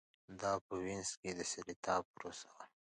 دا په وینز کې د سېراتا پروسه وه